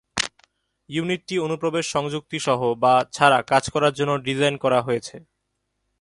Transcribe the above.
ইউনিটটি অনুপ্রবেশ সংযুক্তি সহ বা ছাড়া কাজ করার জন্য ডিজাইন করা হয়েছে।